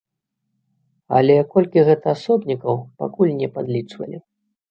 Але колькі гэта асобнікаў, пакуль не падлічвалі.